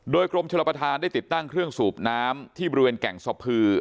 โดยกรมชลประธานได้ติดตั้งเครื่องสูบน้ำที่บริเวณแก่งสะพือ